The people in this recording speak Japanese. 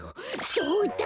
そうだ！